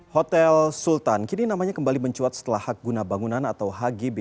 hotel sultan kini namanya kembali mencuat setelah hak guna bangunan atau hgb